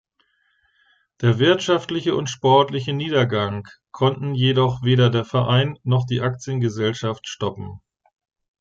Der wirtschaftliche und sportliche Niedergang konnten jedoch weder der Verein noch die Aktiengesellschaft stoppen.